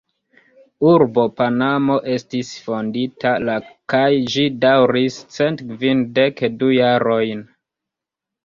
Urbo Panamo estis fondita la kaj ĝi daŭris cent kvindek du jarojn.